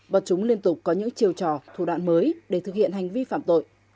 và chúng liên tục có những chiều trò thủ đoạn mới để thực hiện hành vi phạm tội